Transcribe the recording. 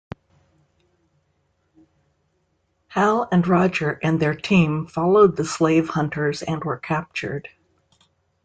Hal and Roger and their team followed the slave hunters and were captured.